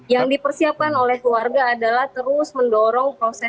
yang dipersiapkan oleh keluarga adalah terus mendorong proses